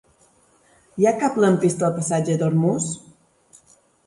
Hi ha algun lampista al passatge d'Ormuz?